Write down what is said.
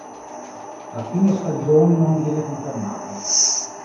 A fine stagione non viene confermato.